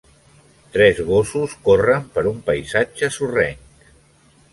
Tres gossos corren per un paisatge sorrenc.